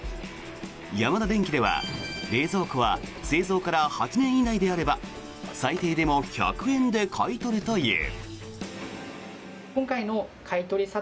ヤマダデンキでは冷蔵庫は製造から８年以内であれば最低でも１００円で買い取るという。